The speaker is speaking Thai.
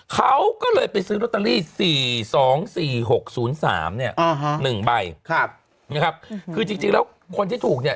เขาก็เลยไปซื้อโรตตาลี๔๒๔๖๐๓เนี่ย๑ใบคือจริงแล้วคนที่ถูกเนี่ย